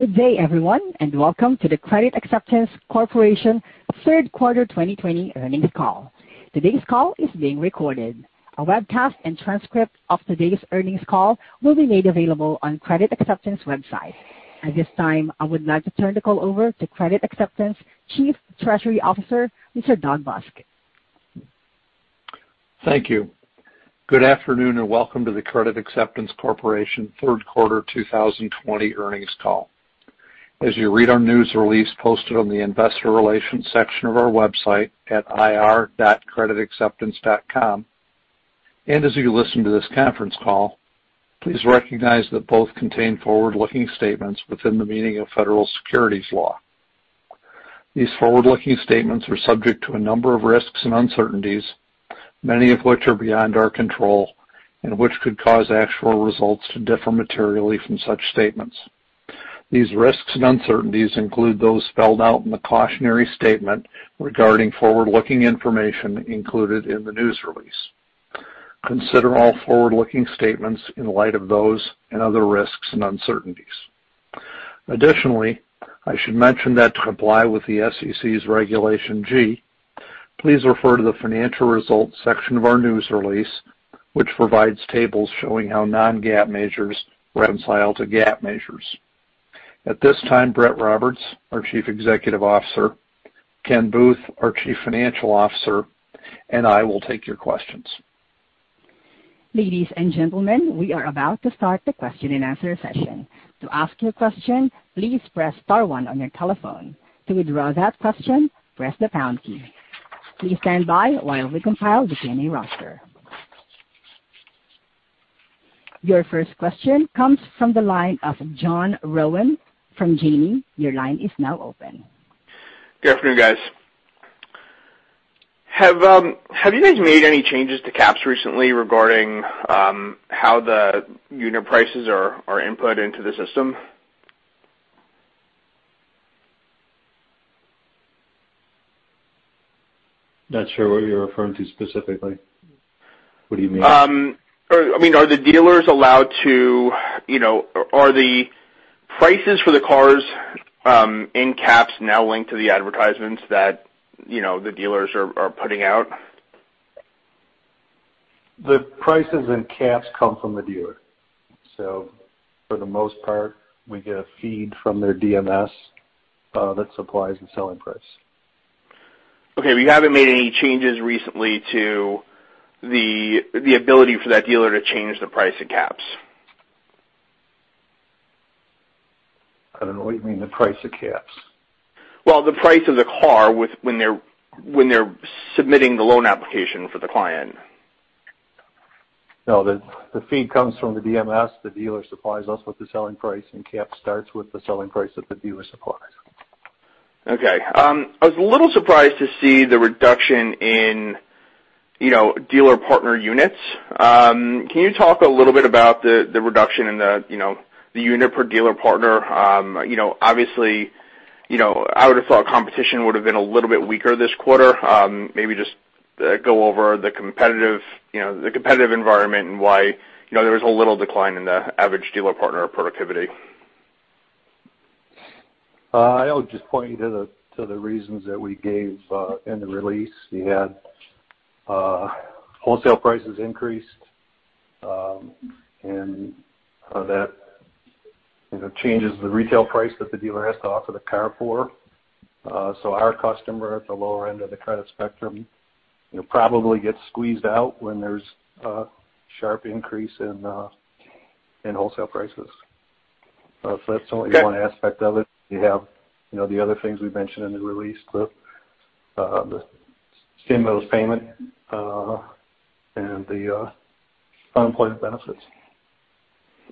Good day, everyone, and Welcome to the Credit Acceptance Corporation third quarter 2020 earnings call. Today's call is being recorded. A webcast and transcript of today's earnings call will be made available on Credit Acceptance website. At this time, I would like to turn the call over to Credit Acceptance Chief Treasury Officer, Mr. Doug Busk. Thank you. Good afternoon, and Welcome to the Credit Acceptance Corporation third quarter 2020 earnings call. As you read our news release posted on the investor relations section of our website at ir.creditacceptance.com, and as you listen to this conference call, please recognize that both contain forward-looking statements within the meaning of Federal Securities law. These forward-looking statements are subject to a number of risks and uncertainties, many of which are beyond our control and which could cause actual results to differ materially from such statements. These risks and uncertainties include those spelled out in the cautionary statement regarding forward-looking information included in the news release. Consider all forward-looking statements in light of those and other risks and uncertainties. Additionally, I should mention that to comply with the SEC's Regulation G, please refer to the financial results section of our news release, which provides tables showing how non-GAAP measures reconcile to GAAP measures. At this time, Brett Roberts, our Chief Executive Officer, Ken Booth, our Chief Financial Officer, and I will take your questions. Ladies and gentlemen, we are about to start the question-and-answer session. To ask a question, please press star one on your telephone. To withdraw that question, press the pound key. Please stand by while we compile the Q&A roster. Your first question comes from the line of John Rowan from Janney Montgomery Scott. Your line is now open. Good afternoon, guys. Have you guys made any changes to CAPS recently regarding how the unit prices are input into the system? Not sure what you're referring to specifically. What do you mean? Are the prices for the cars in CAPS now linked to the advertisements that the dealers are putting out? The prices in CAPS come from the dealer. So for the most part, we get a feed from their DMS that supplies the selling price. Okay. You haven't made any changes recently to the ability for that dealer to change the price in CAPS? I don't know what you mean, the price of CAPS. Well, the price of the car when they're submitting the loan application for the client. No. The feed comes from the DMS. The dealer supplies us with the selling price, and CAPS starts with the selling price that the dealer supplies. I was a little surprised to see the reduction in dealer partner units. Can you talk a little bit about the reduction in the unit per dealer partner? Obviously, I would've thought competition would've been a little bit weaker this quarter. Maybe just go over the competitive environment and why there was a little decline in the average dealer partner productivity. I'll just point you to the reasons that we gave in the release. We had wholesale prices increased. That changes the retail price that the dealer has to offer the car for. Our customer at the lower end of the credit spectrum probably gets squeezed out when there's a sharp increase in wholesale prices. That's only one aspect of it. You have the other things we mentioned in the release, the stimulus payment, and the unemployment benefits.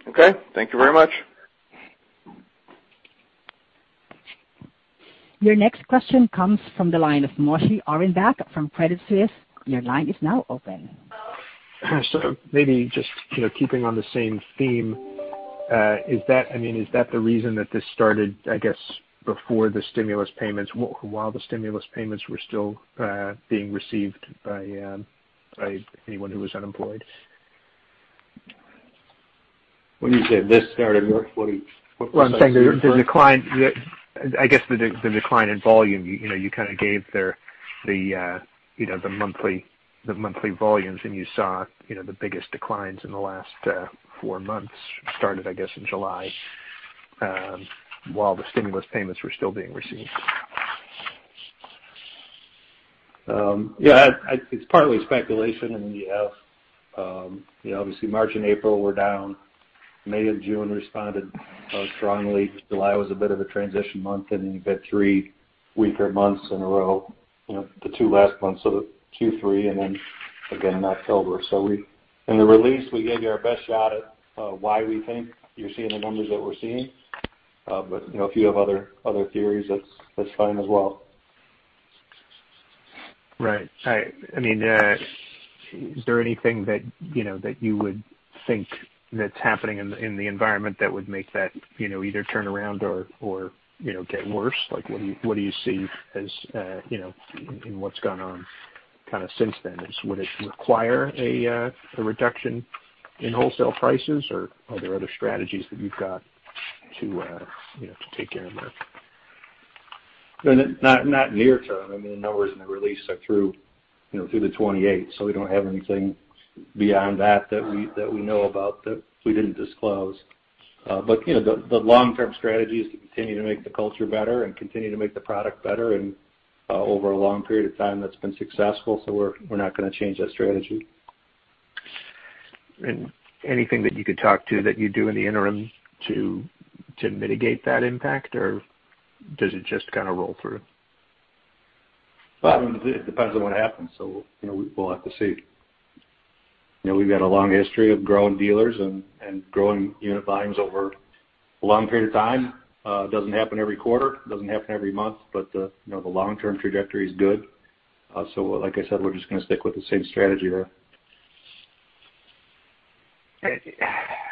Okay. Thank you very much. Your next question comes from the line of Moshe Orenbuch from Credit Suisse. Your line is now open. Maybe just keeping on the same theme. Is that the reason that this started, I guess, before the stimulus payments while the stimulus payments were still being received by anyone who was unemployed? When you say this started, what are you referring to? Well, I'm saying the decline. I guess the decline in volume. You kind of gave the monthly volumes, and you saw the biggest declines in the last four months started, I guess, in July, while the stimulus payments were still being received. Yeah. It's partly speculation. You have obviously March and April were down. May and June responded strongly. July was a bit of a transition month. Then you've had three weaker months in a row, the two last months of Q3 and then again in October. In the release, we gave you our best shot at why we think you're seeing the numbers that we're seeing. If you have other theories, that's fine as well. Right. Is there anything that you would think that's happening in the environment that would make that either turn around or get worse? What do you see in what's gone on kind of since then? Would it require a reduction in wholesale prices, or are there other strategies that you've got to take care of that? Not near-term. The numbers in the release are through the 28th. We don't have anything beyond that that we know about that we didn't disclose. The long-term strategy is to continue to make the culture better and continue to make the product better. Over a long period of time, that's been successful. We're not going to change that strategy. Anything that you could talk to that you'd do in the interim to mitigate that impact, or does it just kind of roll through? Well, it depends on what happens. We'll have to see. We've got a long history of growing dealers and growing unit volumes over a long period of time. It doesn't happen every quarter, it doesn't happen every month, but the long-term trajectory is good. Like I said, we're just going to stick with the same strategy there.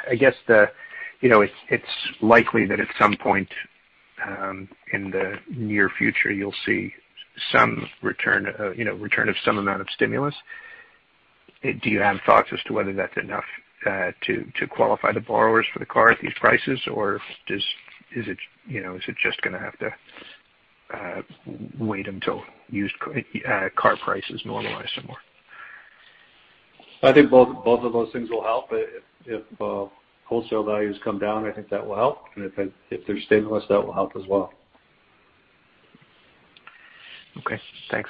I guess it's likely that at some point in the near future, you'll see return of some amount of stimulus. Do you have thoughts as to whether that's enough to qualify the borrowers for the car at these prices, or is it just going to have to wait until used car prices normalize some more? I think both of those things will help. If wholesale values come down, I think that will help. If there's stimulus, that will help as well. Okay, thanks.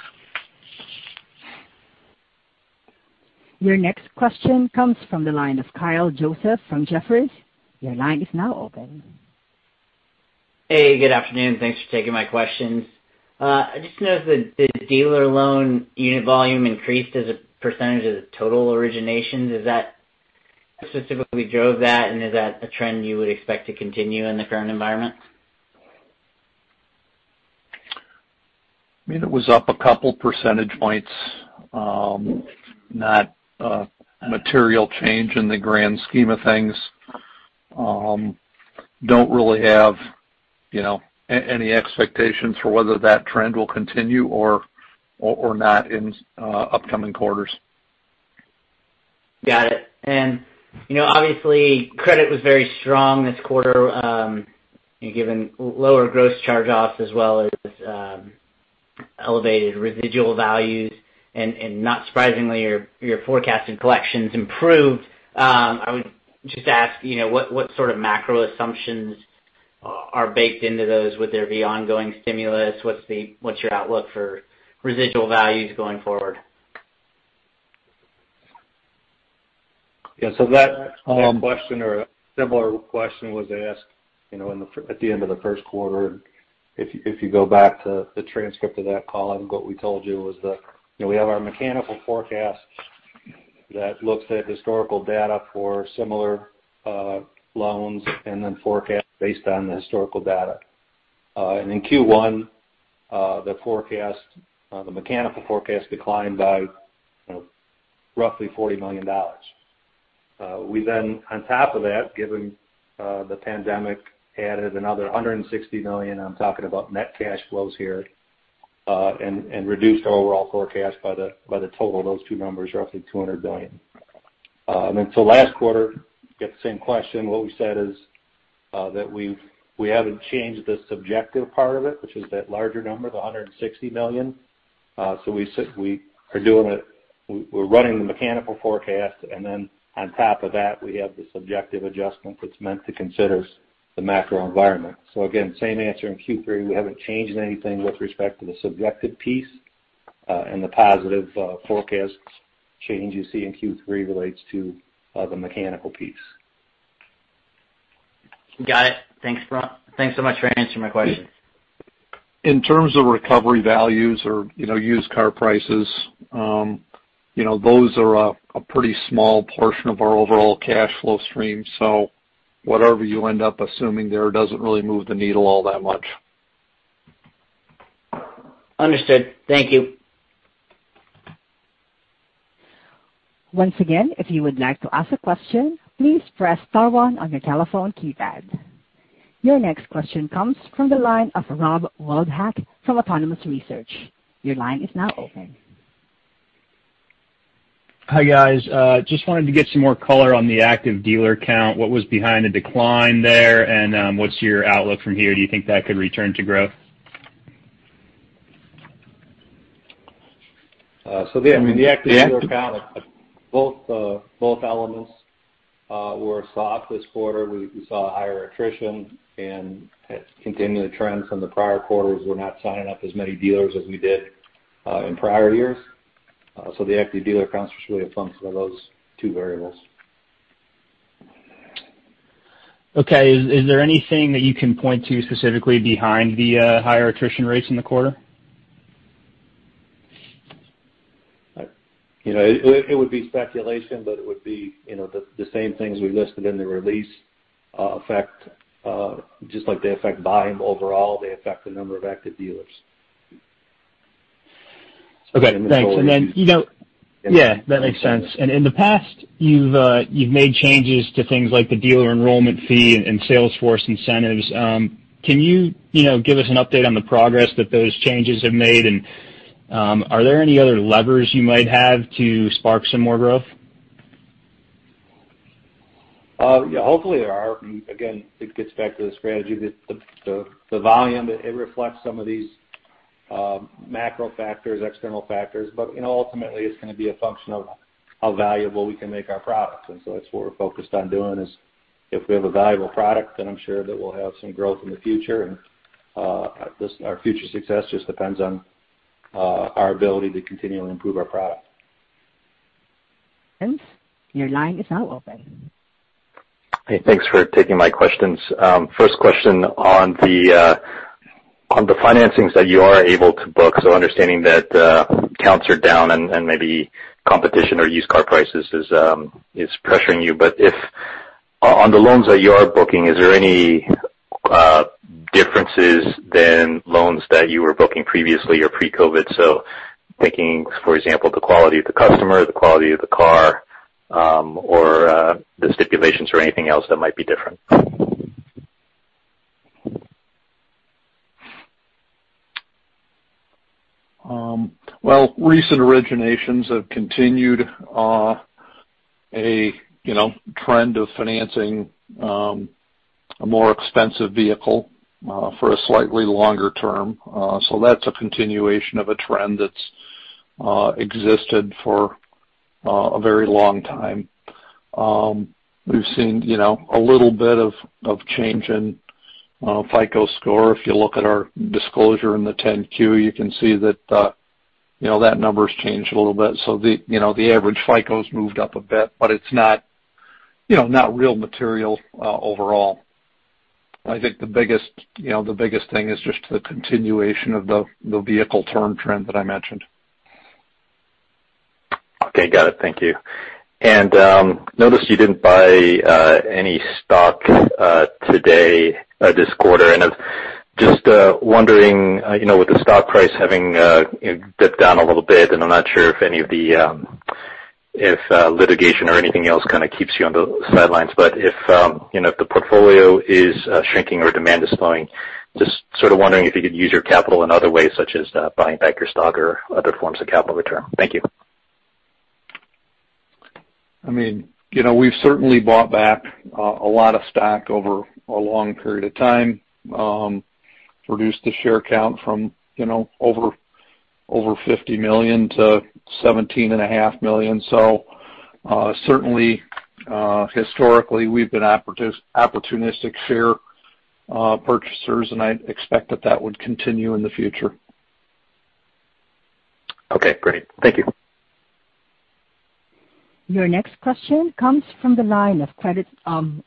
Your next question comes from the line of Kyle Joseph from Jefferies. Your line is now open. Hey, good afternoon. Thanks for taking my questions. I just noticed that the dealer loan unit volume increased as a percentage of the total originations. What specifically drove that, and is that a trend you would expect to continue in the current environment? It was up a couple percentage points. Not a material change in the grand scheme of things. Don't really have any expectations for whether that trend will continue or not in upcoming quarters. Got it. Obviously, credit was very strong this quarter, given lower gross charge-offs as well as elevated residual values. Not surprisingly, your forecast and collections improved. I would just ask, what sort of macro assumptions are baked into those? Would there be ongoing stimulus? What's your outlook for residual values going forward? That question or a similar question was asked at the end of the first quarter. If you go back to the transcript of that call, I think what we told you was that we have our mechanical forecast that looks at historical data for similar loans and then forecasts based on the historical data. In Q1, the mechanical forecast declined by roughly $40 million. We then, on top of that, given the pandemic, added another $160 million. I'm talking about net cash flows here, and reduced our overall forecast by the total of those two numbers, roughly $200 million. Last quarter, you get the same question. What we said is that we haven't changed the subjective part of it, which is that larger number, the $160 million. We're running the mechanical forecast, and then on top of that, we have the subjective adjustment that's meant to consider the macro environment. Again, same answer in Q3. We haven't changed anything with respect to the subjective piece. The positive forecast change you see in Q3 relates to the mechanical piece. Got it. Thanks so much for answering my question. In terms of recovery values or used car prices, those are a pretty small portion of our overall cash flow stream. Whatever you end up assuming there doesn't really move the needle all that much. Understood. Thank you. Once again, if you would like to ask a question, please press star one on your telephone keypad. Your next question comes from the line of Rob Wildhack from Autonomous Research. Your line is now open. Hi, guys. Just wanted to get some more color on the active dealer count. What was behind the decline there, and what's your outlook from here? Do you think that could return to growth? The active dealer count both elements were soft this quarter. We saw higher attrition and continuing trends from the prior quarters. We're not signing up as many dealers as we did in prior years. The active dealer count is really a function of those two variables. Okay. Is there anything that you can point to specifically behind the higher attrition rates in the quarter? It would be speculation, it would be the same things we listed in the release. Just like they affect volume overall, they affect the number of active dealers. Okay, thanks. Yeah, that makes sense. In the past, you've made changes to things like the dealer enrollment fee and sales force incentives. Can you give us an update on the progress that those changes have made, and are there any other levers you might have to spark some more growth? Yeah, hopefully there are. Again, it gets back to the strategy. Ultimately it's going to be a function of how valuable we can make our products. That's what we're focused on doing, is if we have a valuable product, I'm sure that we'll have some growth in the future. Our future success just depends on our ability to continually improve our product. Your line is now open. Hey, thanks for taking my questions. First question on the financings that you are able to book. Understanding that counts are down and maybe competition or used car prices is pressuring you. If on the loans that you are booking, is there any differences than loans that you were booking previously or pre-COVID? Taking, for example, the quality of the customer, the quality of the car, or the stipulations or anything else that might be different. Well, recent originations have continued a trend of financing a more expensive vehicle for a slightly longer term. That's a continuation of a trend that's existed for a very long time. We've seen a little bit of change in FICO score. If you look at our disclosure in the 10-Q, you can see that number's changed a little bit. The average FICO's moved up a bit, but it's not real material overall. I think the biggest thing is just the continuation of the vehicle term trend that I mentioned. Okay, got it. Thank you. Noticed you didn't buy any stock today, this quarter. Just wondering, with the stock price having dipped down a little bit, and I'm not sure if any of the litigation or anything else kind of keeps you on the sidelines. If the portfolio is shrinking or demand is slowing, just sort of wondering if you could use your capital in other ways, such as buying back your stock or other forms of capital return. Thank you. We've certainly bought back a lot of stock over a long period of time. Reduced the share count from over 50 million to 17.5 million. Certainly, historically, we've been opportunistic share purchasers, and I expect that that would continue in the future. Okay, great. Thank you. Your next question comes from the line of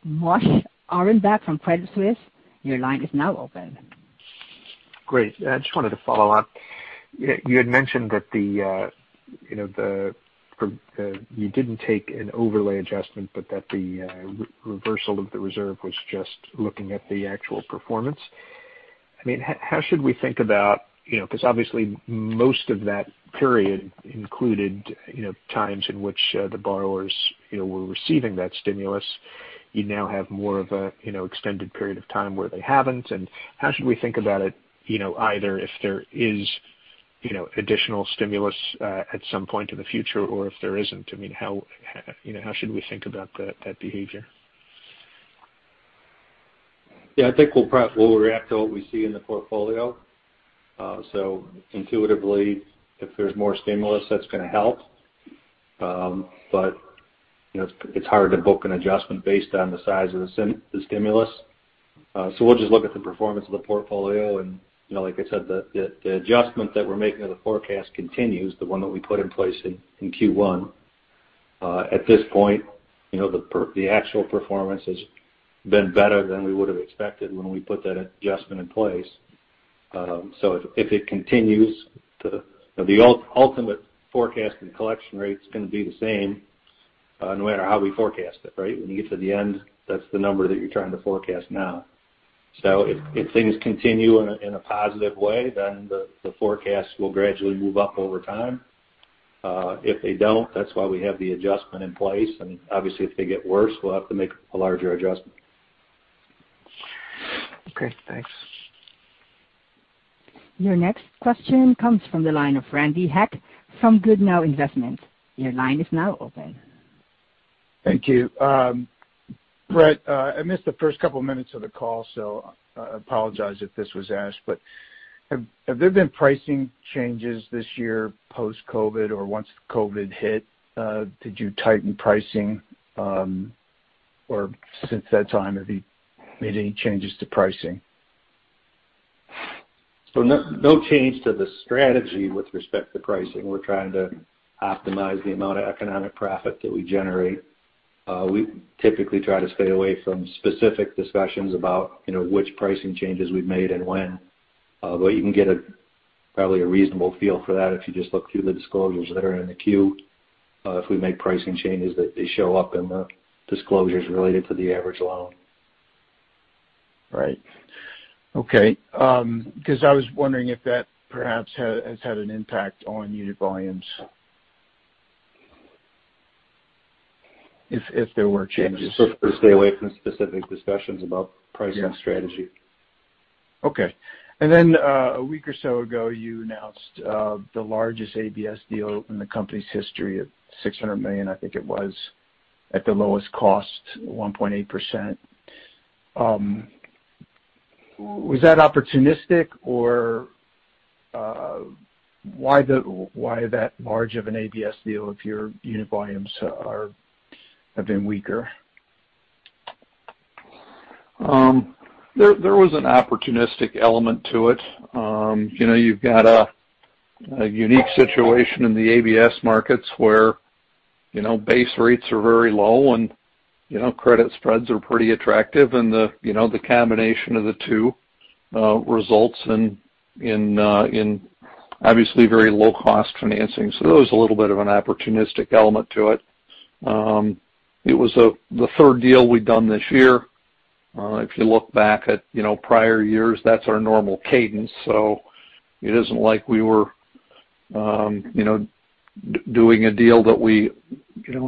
Moshe Orenbuch from Credit Suisse. Your line is now open. Great. I just wanted to follow up. You had mentioned that you didn't take an overlay adjustment, but that the reversal of the reserve was just looking at the actual performance. How should we think about, because obviously most of that period included times in which the borrowers were receiving that stimulus. You now have more of an extended period of time where they haven't, and how should we think about it, either if there is additional stimulus at some point in the future or if there isn't? How should we think about that behavior? Yeah, I think we'll react to what we see in the portfolio. Intuitively, if there's more stimulus, that's going to help. It's hard to book an adjustment based on the size of the stimulus. We'll just look at the performance of the portfolio and like I said, the adjustment that we're making of the forecast continues, the one that we put in place in Q1. At this point, the actual performance has been better than we would have expected when we put that adjustment in place. If it continues, the ultimate forecast and collection rate's going to be the same no matter how we forecast it, right? When you get to the end, that's the number that you're trying to forecast now. If things continue in a positive way, then the forecast will gradually move up over time. If they don't, that's why we have the adjustment in place. Obviously, if they get worse, we'll have to make a larger adjustment. Okay, thanks. Your next question comes from the line of Randy Heck from Goodnow Investment. Your line is now open. Thank you. Brett, I missed the first couple of minutes of the call, so I apologize if this was asked, but have there been pricing changes this year post-COVID or once COVID hit? Did you tighten pricing? Since that time, have you made any changes to pricing? No change to the strategy with respect to pricing. We're trying to optimize the amount of economic profit that we generate. We typically try to stay away from specific discussions about which pricing changes we've made and when. You can get probably a reasonable feel for that if you just look through the disclosures that are in the Q. If we make pricing changes, they show up in the disclosures related to the average loan. Right. Okay. I was wondering if that perhaps has had an impact on unit volumes if there were changes. We prefer to stay away from specific discussions about pricing strategy. Okay. A week or so ago, you announced the largest ABS deal in the company's history at $600 million, I think it was, at the lowest cost, 1.8%. Was that opportunistic or why that large of an ABS deal if your unit volumes have been weaker? There was an opportunistic element to it. You've got a unique situation in the ABS markets where base rates are very low and credit spreads are pretty attractive and the combination of the two results in obviously very low-cost financing. There was a little bit of an opportunistic element to it. It was the third deal we'd done this year. If you look back at prior years, that's our normal cadence, it isn't like we were doing a deal that we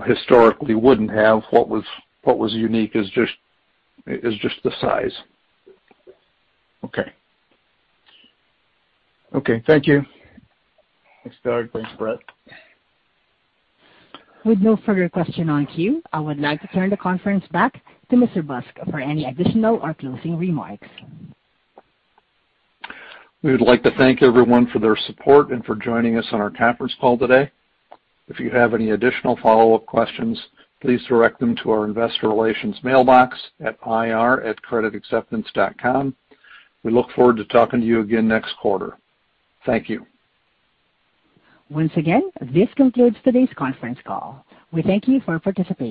historically wouldn't have. What was unique is just the size. Okay. Thank you. Thanks, Doug. Thanks, Brett. With no further question in queue, I would like to turn the conference back to Mr. Busk for any additional or closing remarks. We would like to thank everyone for their support and for joining us on our conference call today. If you have any additional follow-up questions, please direct them to our investor relations mailbox at ir@creditacceptance.com. We look forward to talking to you again next quarter. Thank you. Once again, this concludes today's conference call. We thank you for participating.